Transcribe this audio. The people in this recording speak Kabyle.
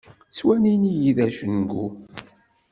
Ttwalin-iyi d acengu.